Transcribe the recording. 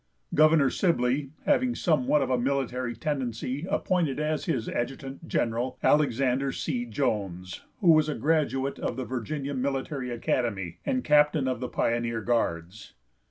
Gov. Sibley, having somewhat of a military tendency, appointed as his adjutant general, Alexander C. Jones, who was a graduate of the Virginia Military Academy, and captain of the Pioneer Guards.